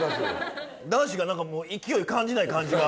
男子が何か勢いを感じない感じが。